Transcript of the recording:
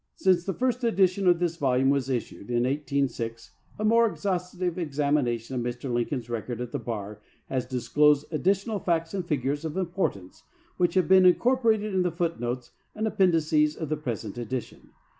Since the first edition of this volume was issued in 1906 a more exhaustive examination of Mr. Lincoln's record at the Bar has disclosed ad ditional facts and figures of importance which have been incorporated in the foot notes and ap pendices of the present edition.